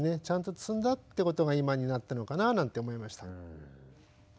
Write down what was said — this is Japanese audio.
ちゃんと積んだってことが今になったのかななんて思いました。